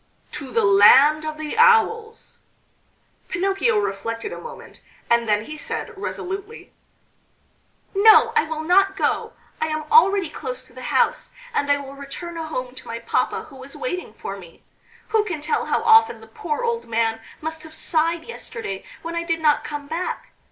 "To the Land of the Owls." Pinocchio reflected a moment, and then he said resolutely: "No, I will not go. I am already close to the house, and I will return home to my papa who is waiting for me. Who can tell how often the poor old man must have sighed yesterday when I did not come back!